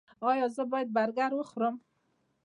ایا زه باید برګر وخورم؟